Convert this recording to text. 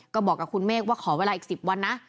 ก็บอกกับคุณเมฆว่าขอเวลาอีก๑๐วันนะ